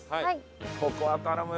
ここは頼むよ。